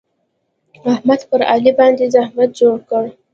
احمد پر علي باندې زحمت جوړ کړ.